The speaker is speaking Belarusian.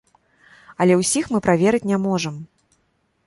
Але ўсіх мы праверыць не можам.